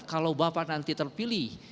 kalau bapak nanti terpilih